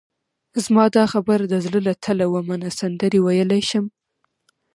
زما دا خبره د زړه له تله ومنه، سندرې ویلای شم.